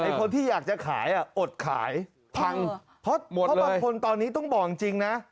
คนที่อยากจะขายอดขายพังเพราะหมดเพราะบางคนตอนนี้ต้องบอกจริงนะ